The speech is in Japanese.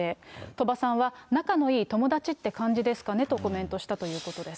鳥羽さんは、仲のいい友達って感じですかねとコメントしたということです。